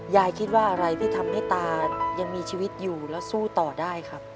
ยายคิดว่าอะไรที่ทำให้ตายังมีชีวิตอยู่แล้วสู้ต่อได้ครับ